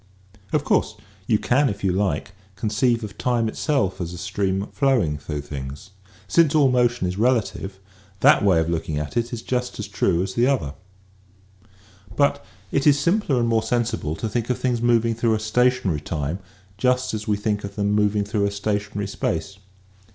Of course you can, if you like, conceive of time itself as a stream flowing through things. Since all motion is relative, that way of looking at it is just as *' true " as the other. But it is simpler and 50 EASY LESSONS IN EINSTEIN more sensible to think of things moving through a sta tionary time just as we think of them moving through a stationary space.